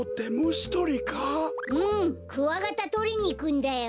うんクワガタとりにいくんだよ。